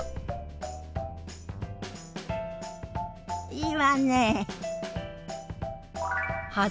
いいわね。